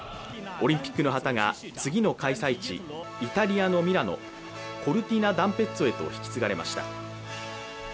オリンピックの旗が次の開催地、イタリアのミラノ、コルティナダンペッツォ側へと引き継がれました。